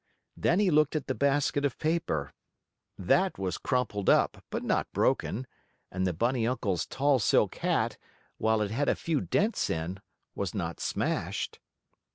Then he looked at the basket of paper. That was crumpled up, but not broken, and the bunny uncle's tall silk hat, while it had a few dents in, was not smashed.